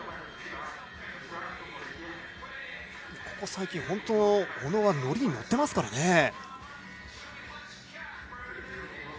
ここ最近、小野はノリに乗っていますからね。